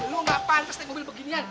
lo enggak pantas naik mobil beginian